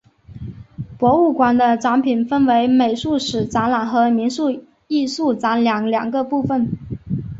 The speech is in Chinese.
博物馆的展品分为美术史展览和民俗艺术展览两个部分。